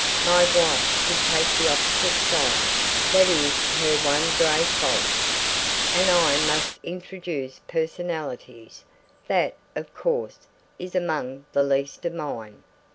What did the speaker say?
My wife would take the opposite side; that is her one grave fault. And I must introduce personalities; that, of course, is among the least of mine.